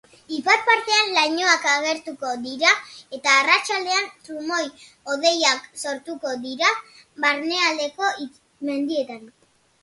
Ipar-partean lainoak agertuko dira eta arratsaldean trumoi-hodeiak sortuko dira barnealdeko mendietan.